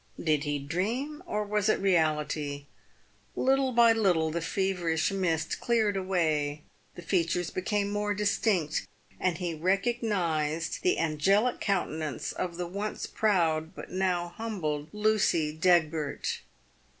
Did he dream, or was it reality ? Little by little, the feverish mist cleared away, the features became more distinct, and he recognised the angelic countenance of the once i2 308 PAVED WITH GOLD. proud, but now humbled Lucy D'Egbert.